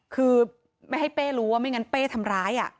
คือไม่ให้เป้รู้ว่าไม่งั้นเป้ทำร้าย